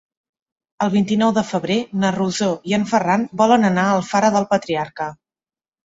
El vint-i-nou de febrer na Rosó i en Ferran volen anar a Alfara del Patriarca.